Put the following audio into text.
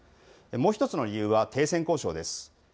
もう１つの理由は停戦交渉です。